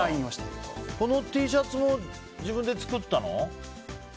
君、このＴシャツも自分で作ったの？